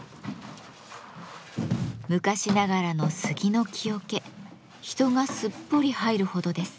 昔ながらの杉の木桶人がすっぽり入るほどです。